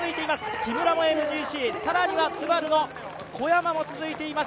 木村もＭＧＣ、更にはＳＵＢＡＲＵの小山も続いています。